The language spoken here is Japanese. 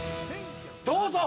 ◆どうぞ！